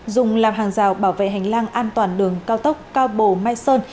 dùng làm hàng rào bảo vệ hành lang an toàn đường cao tốc cao bồ mai sơn